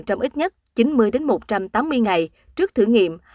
trong ít nhất chín mươi một trăm tám mươi ngày trước thử nghiệm